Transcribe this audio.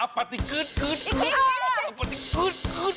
อัปหมติกือดเกือดกือด